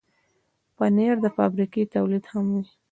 پنېر د فابریکې تولید هم وي.